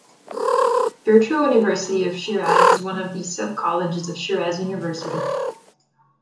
Virtual University of Shiraz is one of the sub colleges of Shiraz University.